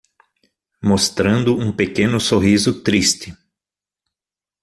Mostrando um pequeno sorriso triste